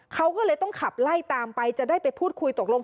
เขาก็เลยต้องขับไล่ตามไปจะได้ไปพูดคุยตกลง